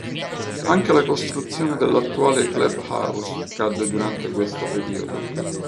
Anche la costruzione dell'attuale "club house" cadde durante questo periodo.